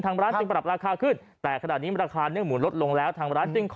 ทางร้านจึงปรับราคาขึ้น